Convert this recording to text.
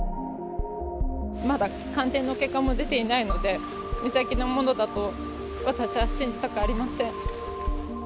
まだ鑑定の結果も出ていないので、美咲のものだと私は信じたくありません。